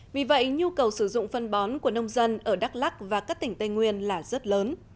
vì vậy nhu cầu sử dụng phân bón của nông dân ở đắk lắc và các tỉnh tây nguyên là rất lớn